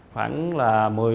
khoảng là một mươi